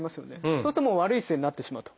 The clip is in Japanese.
そうするともう悪い姿勢になってしまうと。